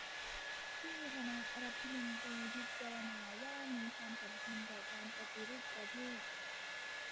ที่คณะรัฐมนตรีพิจารณาว่ามีความสำคัญต่อการปฏิรูปประเทศ